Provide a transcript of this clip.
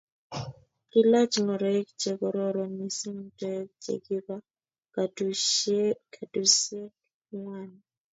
kiilach ngoroik che kororon mising toek chekiba katunisie ng'wany.